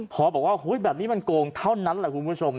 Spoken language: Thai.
พอบอกว่าแบบนี้มันโกงเท่านั้นแหละคุณผู้ชม